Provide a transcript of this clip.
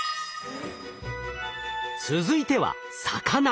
続いては魚。